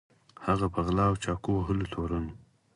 هغه په غلا او چاقو وهلو تورن و.